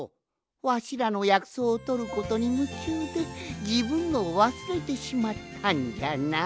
わしらのやくそうをとることにむちゅうでじぶんのをわすれてしまったんじゃな。